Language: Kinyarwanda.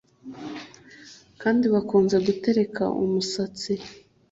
kandi bakunze gutereka umusatsi.